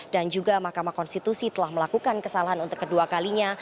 dan juga mahkamah konstitusi telah melakukan kesalahan untuk kedua kalinya